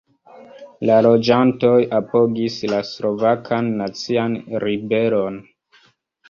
La loĝantoj apogis la Slovakan Nacian Ribelon.